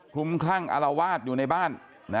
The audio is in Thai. คลุมคลั่งอารวาสอยู่ในบ้าน